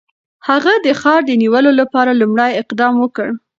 هغه د ښار د نیولو لپاره لومړی اقدام وکړ.